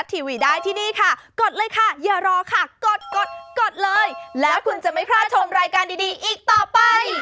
อ๋อตอบปลูบตอบปลูบ